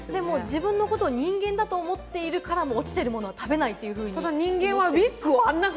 自分のこと人間だと思ってるから、落ちてるものを食べないっていう。